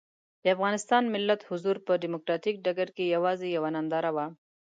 د افغانستان ملت حضور په ډیموکراتیک ډګر کې یوازې یوه ننداره وه.